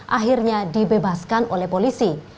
akhirnya dibebaskan oleh polisi